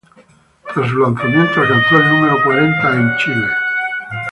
Tras su lanzamiento, alcanzó el número "cuarenta" en Chile.